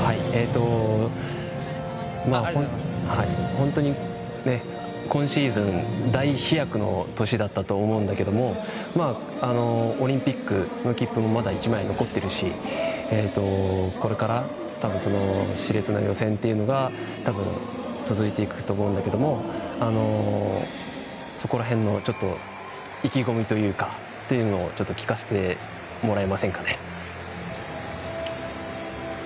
本当に、今シーズン大飛躍の年だったと思うんだけどオリンピックの切符もまだ１枚、残ってるしこれから、多分しれつな予選というのが多分、続いていくと思うんだけどそこら辺のちょっと意気込みというのを聞かせてもらえませんかね。